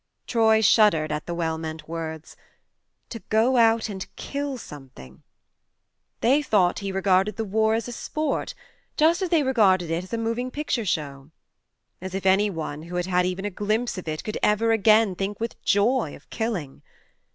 Troy shuddered at the well meant words. To go out and kill something ! They thought he regarded the war as THE MARNE 43 a sport, just as they regarded it as a moving picture show ! As if any one who had had even a glimpse of it could ever again think with joy of killing